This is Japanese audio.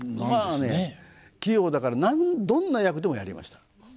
まあね器用だからどんな役でもやりました。